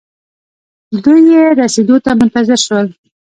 دوئ يې رسېدو ته منتظر شول.